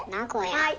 はい。